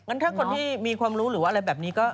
ถ้าคนที่มีความรู้หรือว่าอะไรแบบนี้ก็